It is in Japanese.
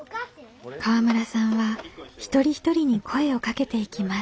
河村さんは一人一人に声をかけていきます。